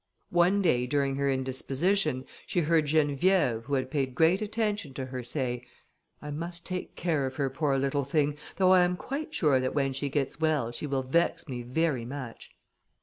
One day during her indisposition, she heard Geneviève, who had paid great attention to her, say, "I must take care of her, poor little thing, though I am quite sure that when she gets well she will vex me very much."